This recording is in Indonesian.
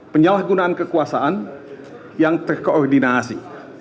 penyalahgunaan kekuasaan yang terkoordinasi